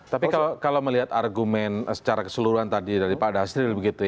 tapi kalau melihat argumen secara keseluruhan tadi dari pak dasril begitu ya